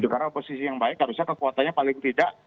karena oposisi yang baik harusnya kekuatannya paling tidak